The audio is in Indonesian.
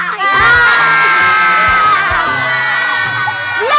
tukang pijit nyasar